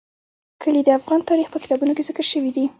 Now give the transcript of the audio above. کلي د افغان تاریخ په کتابونو کې ذکر شوی دي.